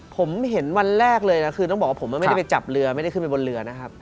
ผมเห็นวันแรกเลยนะคือต้องบอกว่าผมไม่ได้ไปจับเรือไม่ได้ขึ้นไปบนเรือนะครับ